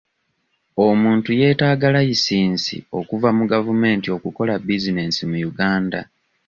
Omuntu yeetaaga layisinsi okuva mu gavumenti okukola bizinensi mu Uganda.